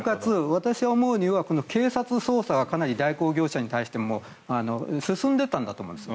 私が思うには警察捜査がかなり代行業者に対しても進んでいたんだと思うんです。